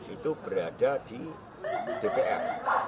itu berada di dpr